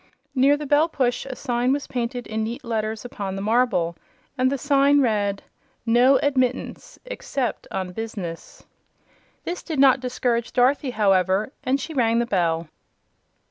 Near the bell push a sign was painted in neat letters upon the marble, and the sign read: NO ADMITTANCE EXCEPT ON BUSINESS This did not discourage Dorothy, however, and she rang the bell.